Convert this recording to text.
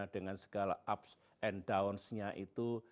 dengan segala ups and downs nya itu